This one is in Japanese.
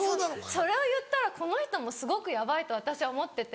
それを言ったらこの人もすごくヤバいと私は思ってて。